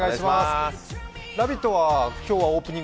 「ラヴィット！」は今日オープニング